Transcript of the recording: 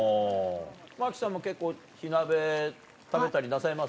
真木さんも結構火鍋食べたりなさいます？